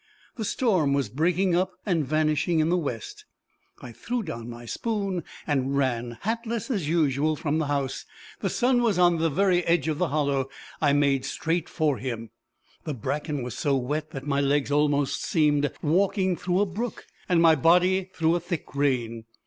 The storm was breaking up, and vanishing in the west. I threw down my spoon, and ran, hatless as usual, from the house. The sun was on the edge of the hollow; I made straight for him. The bracken was so wet that my legs almost seemed walking through a brook, and my body through a thick rain.